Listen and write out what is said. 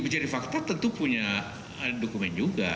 jadi fakta tentu punya dokumen juga